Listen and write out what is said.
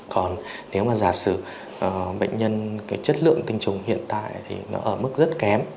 còn nếu mà giả sử bệnh nhân chất lượng tình trùng hiện tại thì nó ở mức rất kém